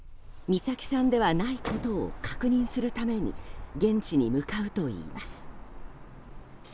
美咲さんではないことを確認するために現地に向かうといいます。